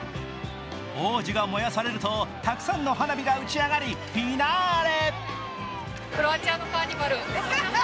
王子が燃やされるとたくさんの花火が打ち上がり、フィナーレ。